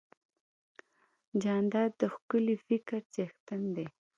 جانداد د ښکلي فکر څښتن دی.